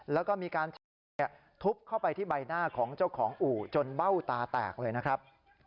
แล้วก็มีการใช้เหล็กทุบเข้าไปที่ใบหน้าของเจ้าของอู่จนเบ้าตาแตกเลยนะครับ